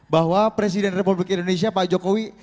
bahwa presiden republik indonesia pak jokowi